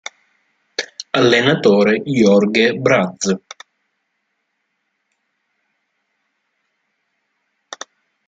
Allenatore: Jorge Braz